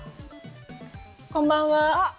こんばんは。